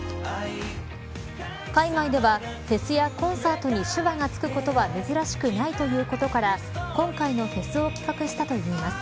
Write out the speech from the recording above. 海外では、フェスやコンサートに手話がつくことは珍しくないということから今回のフェスを企画したといいます。